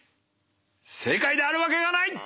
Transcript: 正解であるわけがない！